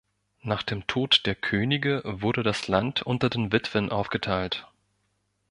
Nach dem Tod der Könige wurde das Land unter den Witwen aufgeteilt.